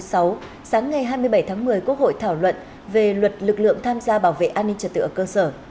sáng ngày hai mươi bảy tháng một mươi quốc hội thảo luận về luật lực lượng tham gia bảo vệ an ninh trật tự ở cơ sở